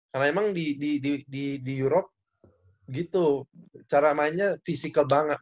karena emang di europe gitu cara mainnya fisikal banget